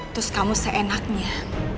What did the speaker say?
terus kamu seenaknya